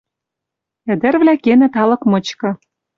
Ӹдӹрвлӓ кенӹт алык мычкы.